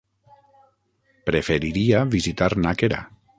Preferiria visitar Nàquera.